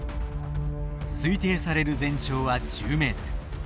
推定される全長は１０メートル。